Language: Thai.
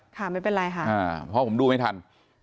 ค่ะไม่เป็นไรค่ะเพราะผมดูไม่ทัน